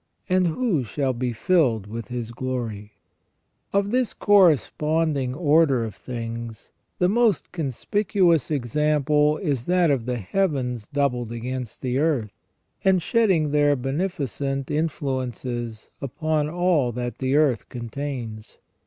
And who shall be filled with His glory ?" Of this correspond ing order of things, the most conspicuous example is that of the heavens doubled against the earth, and shedding their beneficent influences upon all that the earth contains.